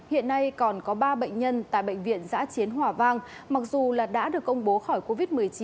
hiện nay còn có ba bệnh nhân tại bệnh viện giã chiến hòa vang mặc dù là đã được công bố khỏi covid một mươi chín